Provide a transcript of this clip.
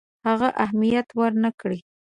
هغه اهمیت ورنه کړي.